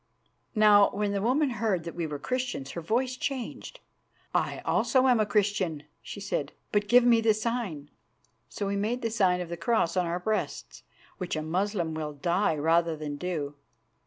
Now, when the woman heard that we were Christians her voice changed. "I also am a Christian," she said; "but give me the sign." So we made the sign of the Cross on our breasts, which a Moslem will die rather than do.